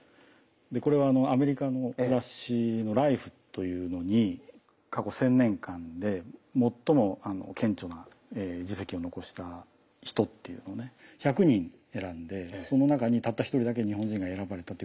これはアメリカの雑誌の「ＬＩＦＥ」というのに過去１，０００年間で最も顕著な実績を残した人っていうのをね１００人選んでその中にたった一人だけ日本人が選ばれたということなんですね。